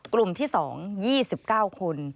กลุ่มที่๒๒๙คน